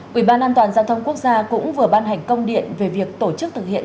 quỹ ban an toàn giao thông quốc gia cũng vừa ban hành công điện về việc tổ chức thực hiện